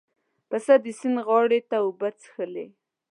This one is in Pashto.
پسه د سیند غاړې ته اوبه څښلې.